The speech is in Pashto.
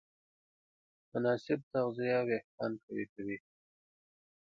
مناسب تغذیه وېښتيان قوي کوي.